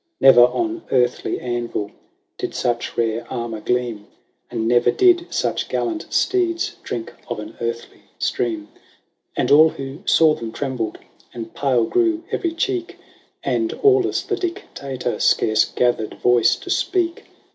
Never on earthly anvil Did such rare armour gleam ; And never did such gallant steeds Drink of an earthly stream. 128 LAYS OF ANCIENT KOME. XXXIII. And all who saw them trembled. And pale grew every cheek ; And Aulus the Dictator Scarce gathered voice to speak.